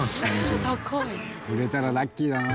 売れたらラッキーだな。